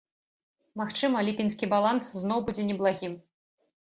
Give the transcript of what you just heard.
Магчыма, ліпеньскі баланс зноў будзе неблагім.